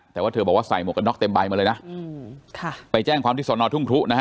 แต่ว่าเธอบอกว่าใส่หมวกกันน็อกเต็มใบมาเลยนะค่ะไปแจ้งความที่สอนอทุ่งครุนะฮะ